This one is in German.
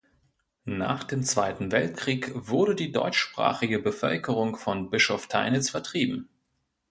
Nach dem Zweiten Weltkrieg wurde die deutschsprachige Bevölkerung von Bischofteinitz vertrieben.